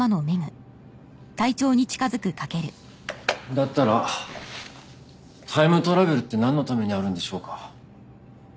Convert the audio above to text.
だったらタイムトラベルって何のためにあるんでしょうか？